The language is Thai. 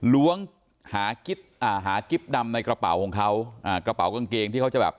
ล้วงหากิ๊บอ่าหากิ๊บดำในกระเป๋าของเขาอ่ากระเป๋ากางเกงที่เขาจะแบบ